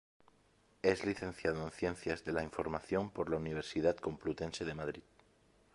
Es licenciado en Ciencias de la Información por la Universidad Complutense de Madrid.